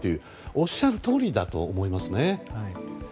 おっしゃるとおりだと思いますね。